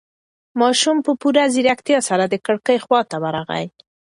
ماشوم په پوره ځيرکتیا سره د کړکۍ خواته ورغی.